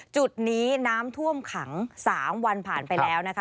จุดนี้น้ำท่วมขัง๓วันผ่านไปแล้วนะคะ